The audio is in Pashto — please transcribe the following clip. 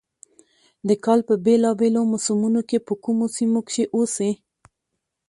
د کال په بېلا بېلو موسمونو کې په کومو سيمو کښې اوسي،